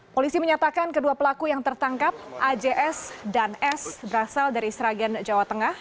polisi menyatakan kedua pelaku yang tertangkap ajs dan s berasal dari sragen jawa tengah